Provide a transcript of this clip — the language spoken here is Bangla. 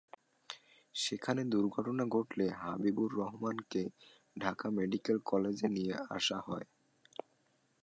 সেখানে দুর্ঘটনা ঘটলে হাবিবুর রহমানকে ঢাকা মেডিকেল কলেজে নিয়ে আসা হয়।